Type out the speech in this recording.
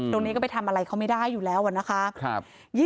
ตรงนี้ก็ไปทำอะไรเขาไม่ได้อยู่แล้วนะคะ